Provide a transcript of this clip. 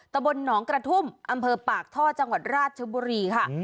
ตะบนหนองกระทุ่มอำเภอปากท่อจังหวัดราชบุรีค่ะ